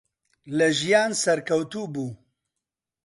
لە ژیان سەرکەوتوو بوو.